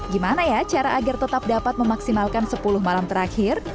gimana ya cara agar tetap dapat memaksimalkan sepuluh malam terakhir